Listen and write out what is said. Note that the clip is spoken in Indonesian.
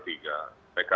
dan pkb tujuh